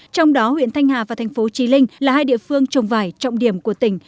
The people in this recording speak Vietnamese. trong đó huyện thanh hà và thành phố trí linh là hai địa phương trồng vải trọng điểm của tỉnh